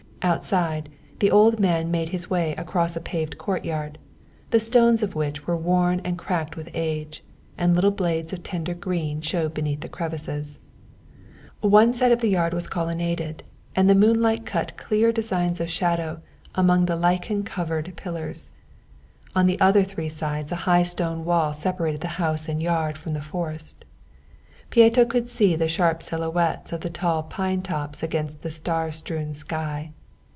Outside, the old man made his way across a paved court yard, the stones of which were worn and cracked with age, and little blades of tender green showed between the crevices. One side of the yard was colonnaded, and the moonlight cut clear designs of shadow among the lichen covered pillars. On the other three sides a high stone wall separated the house and yard from the forest. Pieto could see the sharp silhouettes of the tall pine tops against the star strewn sky.